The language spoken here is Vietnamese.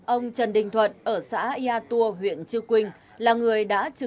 ông trần đình thuận ở xã yatua huyện chư quynh